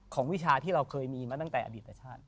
วิชาที่เราเคยมีมาตั้งแต่อดีตแต่ชาติ